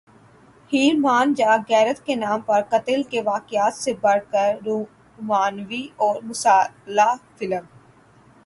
ہیر مان جا غیرت کے نام پر قتل کے واقعات سے بڑھ کر رومانوی اور مصالحہ فلم